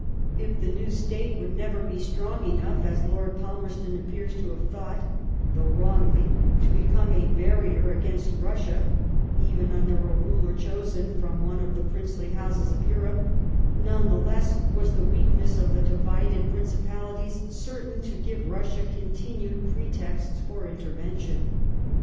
If the new State would never be strong enough, as Lord Palmerston appears to have thought — though wrongly — to become a barrier against Russia, even under a ruler chosen from one of the princely Itottses of Europe ; none the less was the weakness of the divided Principalities certain to give Bussia continued pretexts for intervention.